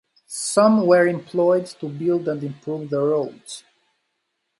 Some were employed to build and improve the roads.